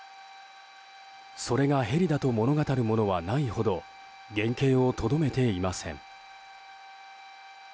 それがヘリだと物語るものはないほど原形をとどめていません。